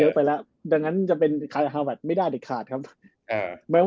เยอะไปแล้วดังนั้นจะเป็นคายฮาวัทไม่ได้เด็กขาดครับ